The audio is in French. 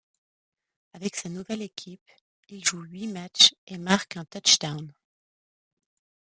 Avec sa nouvelle équipe, il joue huit matchs et marque un touchdown.